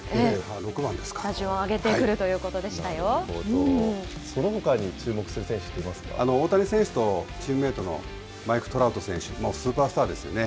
打順を上げてくるということそのほかに注目する選手って大谷選手とチームメートのマイク・トラウト選手、スーパースターですよね。